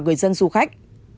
người dân du khách